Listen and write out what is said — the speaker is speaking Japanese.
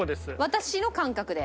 私の感覚で？